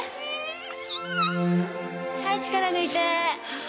はい力抜いて。